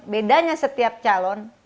bedanya setiap calon